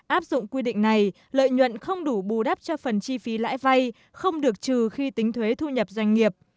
áp dụng quy định này lợi nhuận không đủ bù đắp cho phần chi phí lãi vay không được trừ khi tính thuế thu nhập doanh nghiệp